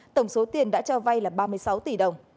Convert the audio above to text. tổng số tiền đã cho vay là ba mươi sáu tỷ đồng